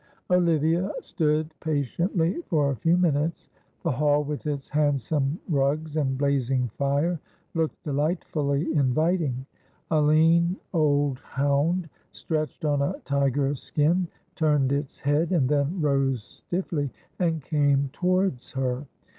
Olivia stood patiently for a few minutes. The hall with its handsome rugs and blazing fire looked delightfully inviting. A lean, old hound, stretched on a tiger skin, turned its head and then rose stiffly and came towards her.